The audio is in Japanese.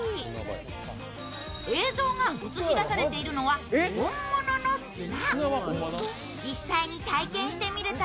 映像が映し出されているのは本物の砂。